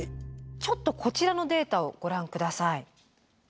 ちょっとこちらのデータをご覧下さい。